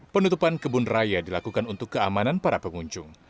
penutupan kebun raya dilakukan untuk keamanan para pengunjung